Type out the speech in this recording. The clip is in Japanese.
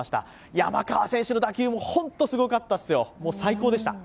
山川選手の打球も本当にすごかったですよ、最高でした。